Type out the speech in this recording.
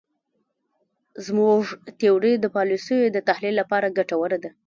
زموږ تیوري د پالیسیو د تحلیل لپاره ګټوره ده.